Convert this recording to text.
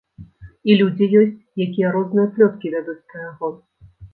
І людзі ёсць, якія розныя плёткі вядуць пра яго.